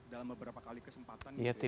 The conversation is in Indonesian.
dalam beberapa kali kesempatan